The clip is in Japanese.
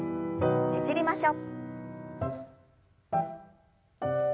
ねじりましょう。